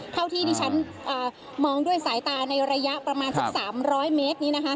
เท่าที่ดิฉันมองด้วยสายตาในระยะประมาณสัก๓๐๐เมตรนี้นะคะ